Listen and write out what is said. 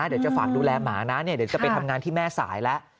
เดี๋ยวจะฝากดูแลหมานะเดี๋ยวจะไปทำงานที่แม่สายแล้ว